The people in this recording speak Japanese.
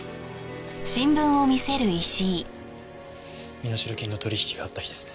身代金の取引があった日ですね。